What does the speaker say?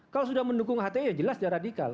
kalau sudah mendukung hti ya jelas dia radikal